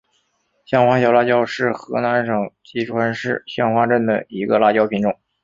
香花小辣椒是河南省淅川县香花镇的一个辣椒品种。